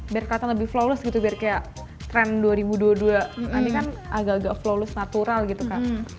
biar kata lebih flowlus gitu biar kayak trend dua ribu dua puluh dua nanti kan agak agak flolus natural gitu kak